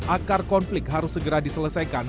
akar konflik harus segera diselesaikan